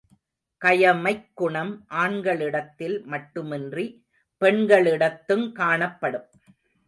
கயமைக்குணம் ஆண்களிடத்தில் மட்டுமின்றி பெண்களிடத்துங் காணப்படும்.